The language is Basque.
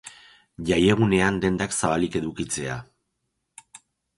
Jaiegunean dendak zabalik edukitzea.